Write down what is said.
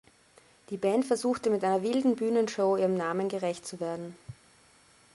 Die Band versuchte mit einer wilden Bühnenshow ihrem Namen gerecht zu werden.